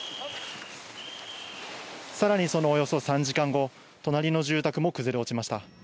さらにそのおよそ３時間後、隣の住宅も崩れ落ちました。